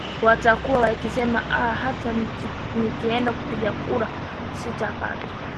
watakuwa wakisema aa hata nikienda kupiga kura sitapataa